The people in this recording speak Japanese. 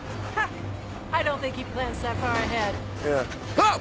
あっ！